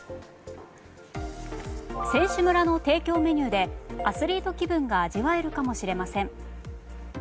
選手村の提供メニューでアスリート気分が味わえるかもしれません。